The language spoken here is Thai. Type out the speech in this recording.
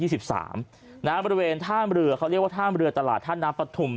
บริเวณท่ามเรือเขาเรียกว่าท่ามเรือตลาดท่าน้ำปฐุม